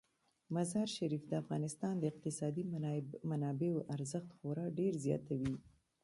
مزارشریف د افغانستان د اقتصادي منابعو ارزښت خورا ډیر زیاتوي.